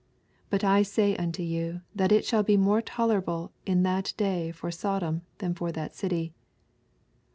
. 12 But I say unto yon, that it shall oe more tolerable in that day for Sodom, than ibr that city.